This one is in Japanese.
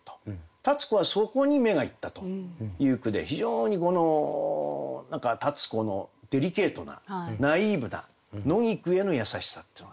立子はそこに目がいったという句で非常にこの何か立子のデリケートなナイーブな野菊への優しさっていうのがね